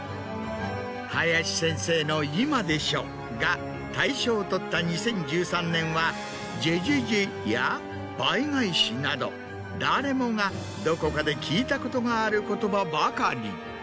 林先生の「今でしょ！」が大賞を取った２０１３年は「じぇじぇじぇ」や「倍返し」など誰もがどこかで聞いたことがある言葉ばかり。